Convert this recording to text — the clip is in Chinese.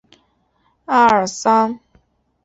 阿尔桑。